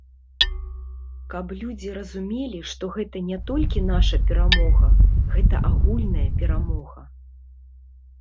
Каб людзі разумелі, што гэта не толькі наша перамога, гэта агульная перамога.